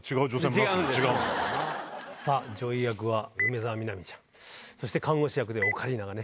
女医役は梅澤美波ちゃんそして看護師役でオカリナがね。